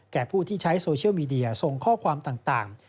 ผู้ที่ใช้โซเชียลมีเดียส่งข้อความต่าง